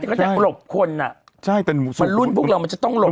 ปัจจุก็จะหลบคนอ่ะมันรุ่นพวกเรามันจะต้องหลบ